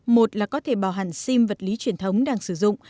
một là có thể bảo hẳn sim vật lý truyền thống đang sử dụng